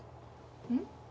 うん？